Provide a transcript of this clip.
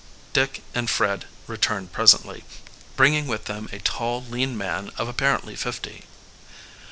Dick and Fred returned presently, bringing with them a tall, lean man of apparently fifty.